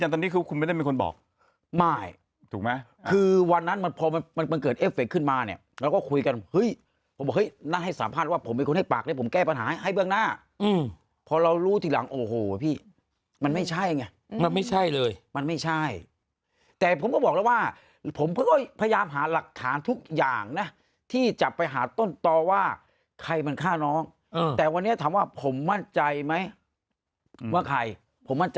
ถ้าคุณพดดำเนี่ยเขาเป็นสิ่งศักดิ์สิทธิ์พี่หนุ่ม